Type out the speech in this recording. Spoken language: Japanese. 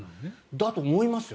だと思いますよ。